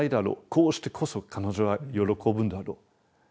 こうしてこそ彼女は喜ぶんだろう。